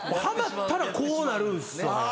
ハマったらこうなるんですよ。